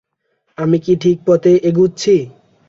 আমি কি ঠিক পথে এগুচ্ছি?